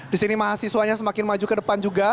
di sini mahasiswanya semakin maju ke depan juga